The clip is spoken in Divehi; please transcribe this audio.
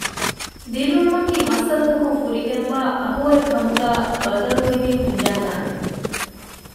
ދިރިއުޅުމަކީ މައްސަލަތަކުން ފުރިގެންވާ އަހުވައެއްކަމުގައި ބަދަލުވެގެން ހިނގައިދާނެ